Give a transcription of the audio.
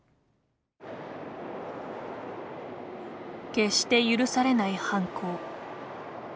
決して許されない犯行。